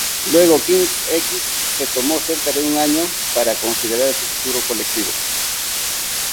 Luego, "King's X" se tomó cerca de un año, para considerar su futuro colectivo.